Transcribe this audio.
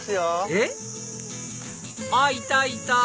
えっ？あっいたいた！